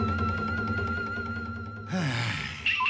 はあ。